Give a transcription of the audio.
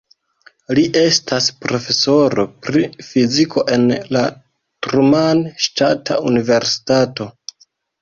Li estas profesoro pri fiziko en la Truman Ŝtata Universitato.